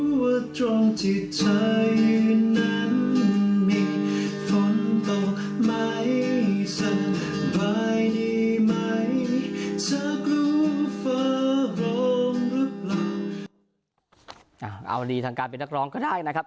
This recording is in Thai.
เอาดีทางการเป็นนักร้องก็ได้นะครับ